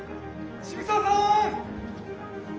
・渋沢さん！